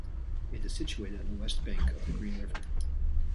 It is situated on the west bank of the Green River.